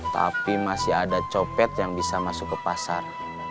tapi masih ada copet yang bisa masuk ke pasar